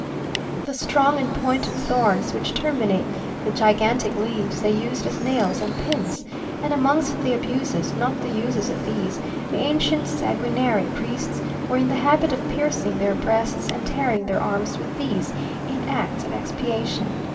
The strong and pointed thorns which terminate the gigantic leaves, they used as nails and pins; and amongst the abuses, not the uses of these, the ancient sanguinary priests were in the habit of piercing their breasts and tearing their arms with them, in acts of expiation.